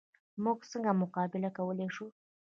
موږ څنګه مقابله کولی شو؟